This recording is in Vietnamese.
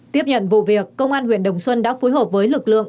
tiếp nhận vụ việc công an huyện đồng xuân đã phối hợp với lực lượng